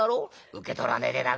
受け取らねえで殴った。